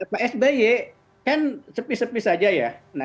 pak sby kan sepi sepi saja ya